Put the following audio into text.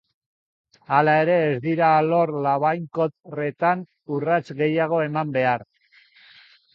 Hala ere, ez dira alor labainkorretan urrats gehiago eman behar.